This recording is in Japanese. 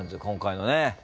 今回のね。